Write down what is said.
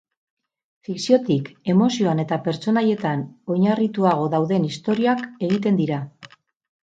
Fikziotik, emozioan eta pertsonaietan oinarrituago dauden istorioak egiten dira.